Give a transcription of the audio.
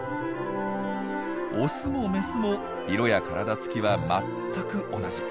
オスもメスも色や体つきは全く同じ。